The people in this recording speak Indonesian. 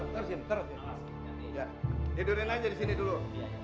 tidurin aja di sini dulu